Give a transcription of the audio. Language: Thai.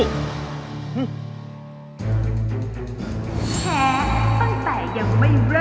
แม้ตั้งแต่ยังไม่เลิก